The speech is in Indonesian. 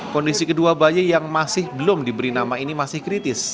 kondisi kedua bayi yang masih belum diberi nama ini masih kritis